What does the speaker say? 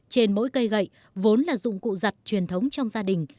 trên mỗi cây gậy vốn là dụng cụ giặt truyền thống trong gia đình